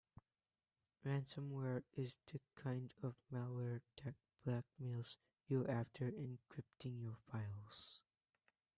Ransomware is the kind of malware that blackmails you after encrypting your files.